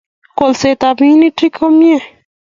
Kolset ab minutik komye